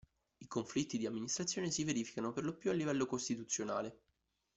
I conflitti di amministrazione si verificano per lo più a livello costituzionale.